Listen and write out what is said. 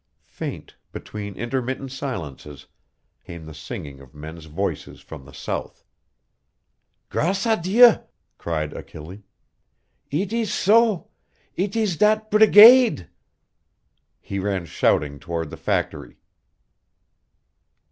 Faint, between intermittent silences, came the singing of men's voices from the south. "Grace à Dieu!" cried Achille. "Eet is so. Eet is dat brigade!" He ran shouting toward the factory.